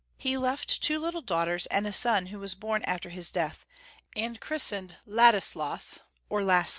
He left two little dai:^ht€rs, and a son who was bom after his death, and christened Ladis las or Lassla.